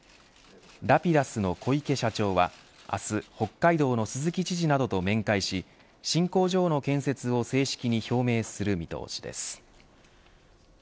ラピダスの小池社長は明日北海道の鈴木知事などと面会し新工場の建設を正式に表明する見通しです。